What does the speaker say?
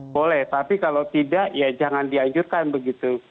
boleh tapi kalau tidak ya jangan dianjurkan begitu